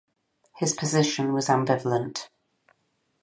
His position was ambivalent.